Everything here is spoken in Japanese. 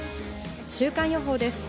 週間予報です。